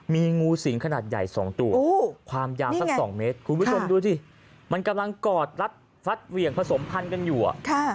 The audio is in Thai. มีงูสิงขนาดใหญ่๒ตัวความยาวสัก๒เมตรคุณผู้ชมดูสิมันกำลังกอดรัดฟัดเหวี่ยงผสมพันธุ์กันอยู่